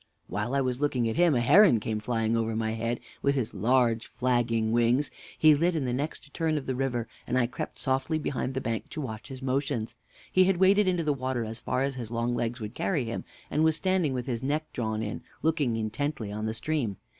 W. While I was looking at him, a heron came flying over my head, with his large flagging wings. He lit at the next turn of the river, and I crept softly behind the bank to watch his motions. He had waded into the water as far as his long legs would carry him, and was standing with his neck drawn in, looking intently on the stream.